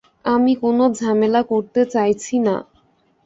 আমি কোনো ঝামেলা করতে চাইছি না।